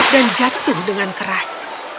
dan jatuh dengan keras